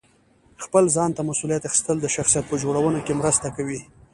خپل ځان ته مسؤلیت اخیستل د شخصیت په جوړونه کې مرسته کوي.